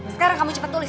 sekarang kamu cepat tulis